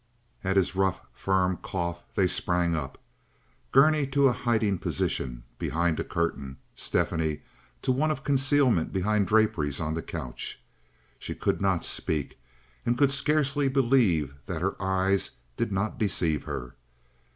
At his rough, firm cough they sprang up—Gurney to a hiding position behind a curtain, Stephanie to one of concealment behind draperies on the couch. She could not speak, and could scarcely believe that her eyes did not deceive her.